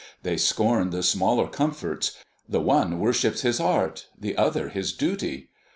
"They scorn the smaller comforts; the one worships his art, the other his duty.